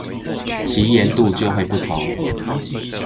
其鹽度就會不同